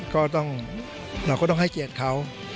ก็ต้องเราก็ต้องให้เกียรติเขา